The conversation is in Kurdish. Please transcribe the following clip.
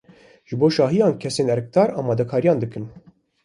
Ji bo şahiyan kesên erkdar amadekariyan dikin.